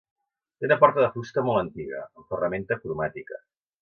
Té una porta de fusta molt antiga, amb ferramenta cromàtica.